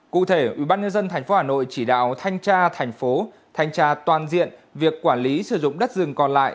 cụ thể ubnd tp hà nội chỉ đạo thanh tra thành phố thanh tra toàn diện việc quản lý sử dụng đất rừng còn lại